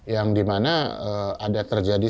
yang dimana ada terjadi